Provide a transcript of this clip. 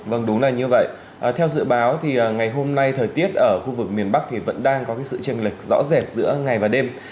vâng đúng là như vậy theo dự báo thì ngày hôm nay thời tiết ở khu vực miền bắc thì vẫn đang có sự chân lịch rõ rẹt giữa ngày và đêm